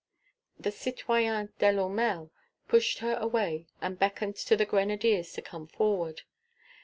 The citoyen Delourmel pushed her away and beckoned to the grenadiers to come forward.